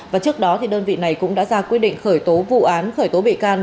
và trước đó đơn vị này cũng đã ra quyết định khởi tố vụ án khởi tố bị can